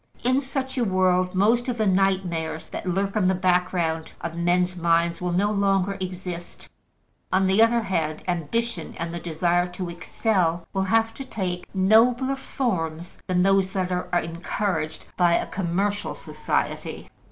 In such a world, most of the nightmares that lurk in the background of men's minds will no longer exist; on the other hand, ambition and the desire to excel will have to take nobler forms than those that are encouraged by a commercial society.